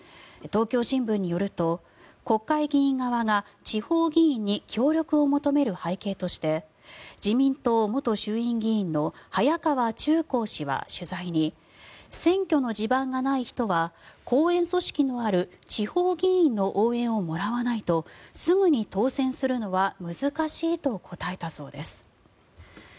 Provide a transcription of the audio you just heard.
東京新聞によると国会議員側が地方議員に協力を求める背景として自民党元衆院議員の早川忠孝氏は取材に選挙の地盤がない人は後援組織のある地方議員の応援をもらわないとすぐに当選するのは難しいと答えたそうです。